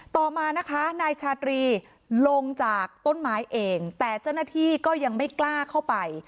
ต่อมานะคะนายชาตรีลงจากต้นไม้เองแต่เจ้าหน้าที่ก็ยังไม่กล้าเข้าไป